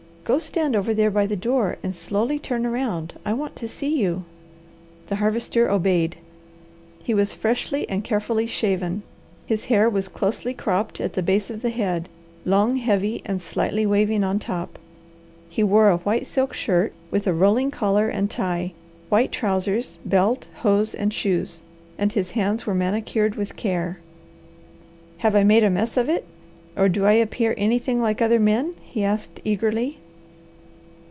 "Go stand over there by the door and slowly turn around. I want to see you." The Harvester obeyed. He was freshly and carefully shaven. His hair was closely cropped at the base of the head, long, heavy, and slightly waving on top. He wore a white silk shirt, with a rolling collar and tie, white trousers, belt, hose, and shoes, and his hands were manicured with care. "Have I made a mess of it, or do I appear anything like other men?" he asked, eagerly.